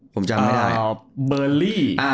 ผมจำไม่ได้